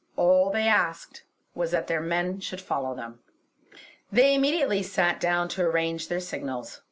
All they asked was that their men should follow them. They immediately sat down to arrange their signals.